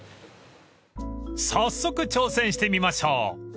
［早速挑戦してみましょう］